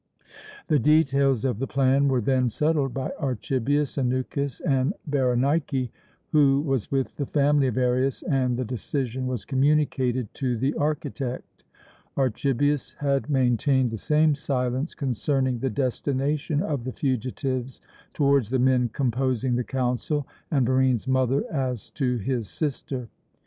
The details of the plan were then settled by Archibius, Anukis, and Berenike, who was with the family of Arius, and the decision was communicated to the architect. Archibius had maintained the same silence concerning the destination of the fugitives towards the men composing the council and Barine's mother as to his sister.